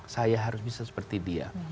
saya harus bisa seperti dia